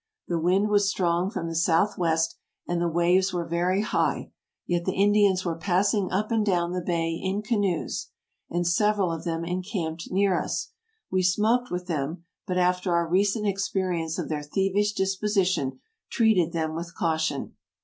The wind was strong from the south west, and the waves were very high, yet the Indians were passing up and down the bay in canoes, and several of them encamped near us. We smoked with them, but, after our recent ex perience of their thievish disposition, treated them with caution."